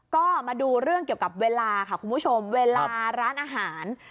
ก็มาดูเรื่องเกี่ยวกับเวลาค่ะคุณผู้ชมเวลาร้านอาหาร